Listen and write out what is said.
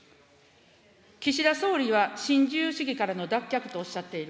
岸田総理は新自由主義からの脱却とおっしゃっている。